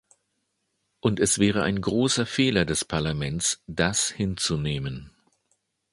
Und es wäre ein großer Fehler des Parlaments, das hinzunehmen.